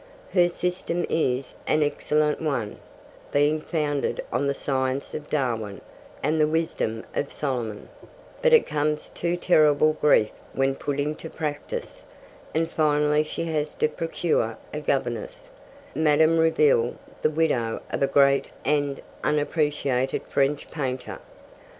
Her system is an excellent one, being founded on the science of Darwin and the wisdom of Solomon, but it comes to terrible grief when put into practice; and finally she has to procure a governess, Madame Reville, the widow of a great and unappreciated French painter.